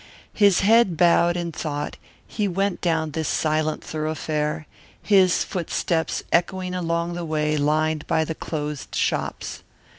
His head bowed in thought he went down this silent thoroughfare, his footsteps echoing along the way lined by the closed shops.